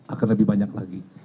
akan lebih banyak lagi